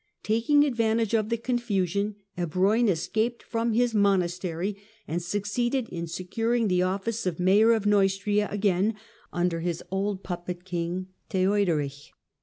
Taking advantage of the confusion, Ebroin escaped from his monastery, and succeeded in securing the office of Mayor of Neustria again, under his old puppet king, Theuderich.